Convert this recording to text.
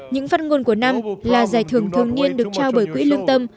những phát ngôn của năm là giải thưởng thường niên được trao bởi quỹ lương tâm